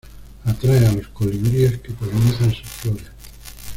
Atrae a los colibríes, que polinizan sus flores.